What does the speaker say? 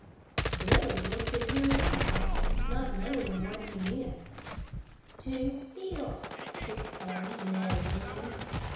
Billy looked at him innocently, not knowing what he meant. "To heel!" exclaimed Ned again.